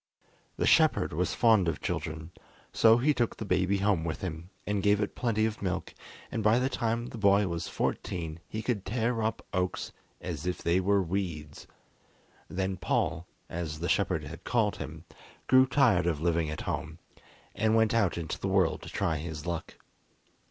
The shepherd was fond of children, so he took the baby home with him and gave it plenty of milk, and by the time the boy was fourteen he could tear up oaks as if they were weeds. Then Paul, as the shepherd had called him, grew tired of living at home, and went out into the world to try his luck.